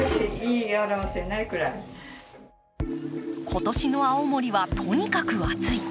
今年の青森はとにかく暑い。